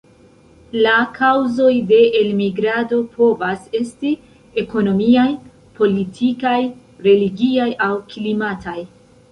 La kaŭzoj de elmigrado povas esti ekonomiaj, politikaj, religiaj aŭ klimataj.